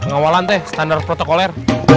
pengawalan teh standar protokoler